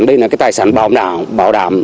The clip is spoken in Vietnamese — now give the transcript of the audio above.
đây là cái tài sản bảo đảm